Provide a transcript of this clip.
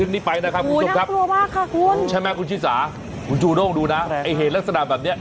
น่ากลัวมากค่ะคุณใช่ไหมคุณชิสาคุณชูโด้งดูนะไอ้เหตุลักษณะแบบเนี้ย